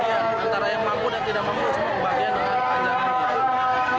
antara yang mampu dan tidak mampu